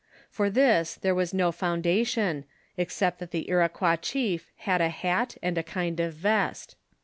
For this there was no foundation, except that the Iroquois chief had a hat and a kind of vest.